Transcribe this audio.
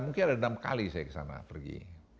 mungkin ada enam kali saya ke sana pergi